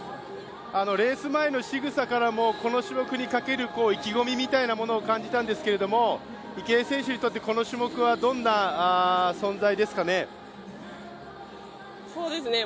レース前のしぐさからもこの種目にかける意気込みみたいなものを感じたんですけれども池江選手にとって、この種目はどんな存在ですかね？